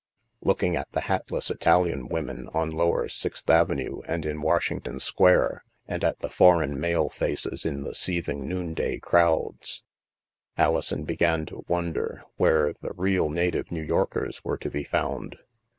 Looking at the hatless Italian women on lower Sixth Avenue and in Washington Square, and at the foreign male faces in the seething noonday crowds, Alison began to wonder where the real na tive New Yorkers were to be found.